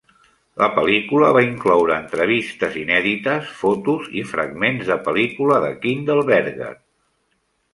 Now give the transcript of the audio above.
La pel·lícula va incloure entrevistes inèdites, fotos, i fragments de pel·lícula de Kindelberger.